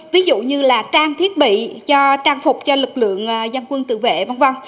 ví dụ như là trang thiết bị cho trang phục cho lực lượng dân quân tự vệ v v